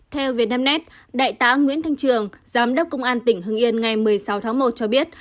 theo vietnamnet đại tá nguyễn thanh trường giám đốc công an tỉnh hưng yên ngày một mươi sáu tháng một cho biết